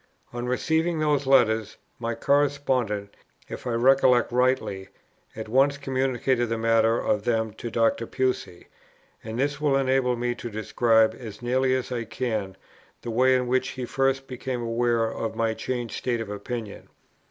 On receiving these letters, my correspondent, if I recollect rightly, at once communicated the matter of them to Dr. Pusey, and this will enable me to describe, as nearly as I can, the way in which he first became aware of my changed state of opinion.